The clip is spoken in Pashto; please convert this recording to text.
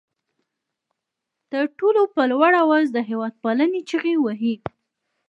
تر ټولو په لوړ آواز د هېواد پالنې چغې وهي.